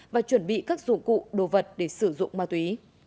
và chuẩn bị các dụng cụ đồ vật để sử dụng ma túy